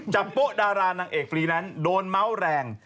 โป๊ะดารานางเอกฟรีแนนซ์โดนเมาส์แรง